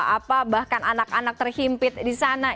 apa bahkan anak anak terhimpit di sana